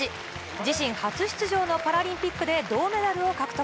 自身初出場のパラリンピックで銅メダルを獲得。